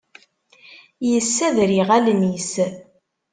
Yessader iɣallen-nnes.